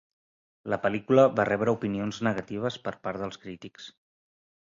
La pel·lícula va rebre opinions negatives per part dels crítics.